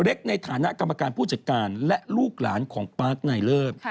เล็กในฐานะกรรมการผู้จัดการและลูกหลานของปาร์คนายเลิศ